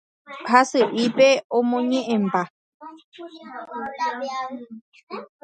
Hasy'ípe amoñe'ẽmba.